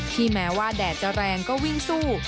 แม้ว่าแดดจะแรงก็วิ่งสู้